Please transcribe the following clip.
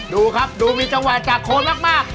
ดูครับดูมีจังหวะจากโคนมาก